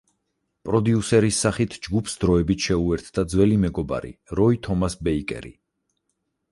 პროდიუსერის სახით ჯგუფს დროებით შეუერთდა ძველი მეგობარი, როი თომას ბეიკერი.